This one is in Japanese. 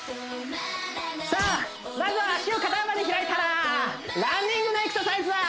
さあまずは脚を肩幅に開いたらランニングのエクササイズだ！